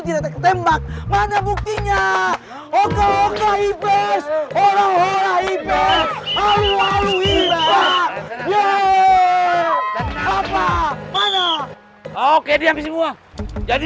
tidak ketembak mana buktinya oke oke ipb orang orang ipb alu alu ibarat ya apa mana oke dia semua jadi